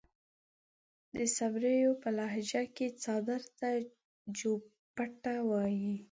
د صبريو پۀ لهجه کې څادر ته جوبټه وايي.